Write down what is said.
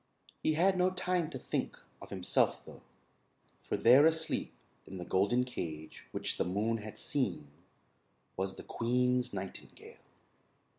He had no time to think of himself though, for there asleep in the golden cage which the moon had seen was the queen's nightingale.